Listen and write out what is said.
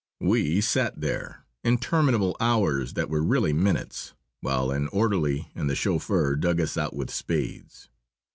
We sat there, interminable hours that were really minutes, while an orderly and the chauffeur dug us out with spades.